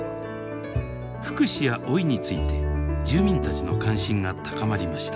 福祉や老いについて住民たちの関心が高まりました。